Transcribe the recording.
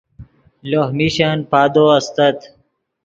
لوہ میشن پادو استت